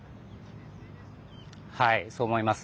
はい、そう思います。